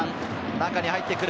中に入ってくる。